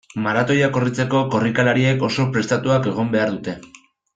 Maratoia korritzeko, korrikalariek oso prestatuak egon behar dute.